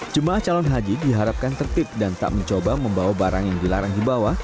jemaah calon haji diharapkan tertib dan tak mencoba membawa barang yang dilarang dibawa